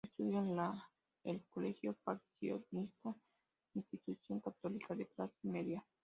Estudio en la el colegio Pasionista, institución católica de clase media.